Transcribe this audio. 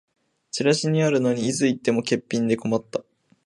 チラシにあるのにいつ行っても欠品で困った